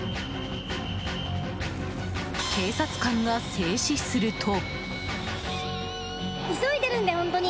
警察官が制止すると。